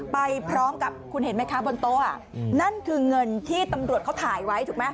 ไปพร้อมกับคุณเห็นไหมคะบนโต๊ะนั่นคือเงินที่ตำรวจเขาถ่ายไว้ถูกไหม